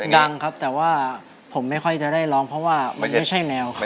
ดังครับแต่ว่าผมไม่ค่อยจะได้ร้องเพราะว่ามันไม่ใช่แนว